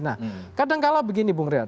nah kadang kalah begini bung rial